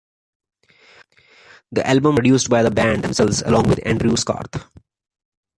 The album was produced by the band themselves, along with Andrew Scarth.